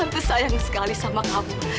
tuh sayang sekali sama kamu